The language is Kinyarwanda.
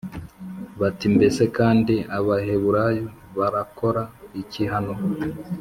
bati “mbese kandi abaheburayo barakora iki hano?”